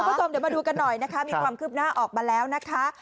คุณผู้ชมเดี๋ยวมาดูกันหน่อยนะคะมีความคืบหน้าออกมาแล้วนะคะ